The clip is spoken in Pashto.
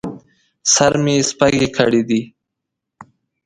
سر مې سپږې کړي دي